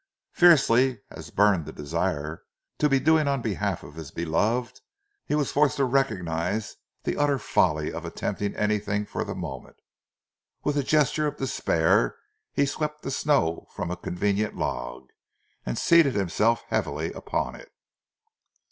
Fiercely as burned the desire to be doing on behalf of his beloved, he was forced to recognize the utter folly of attempting anything for the moment. With a gesture of despair, he swept the snow from a convenient log, and seated himself heavily upon it.